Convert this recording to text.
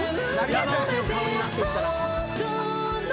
山内の顔になってきた。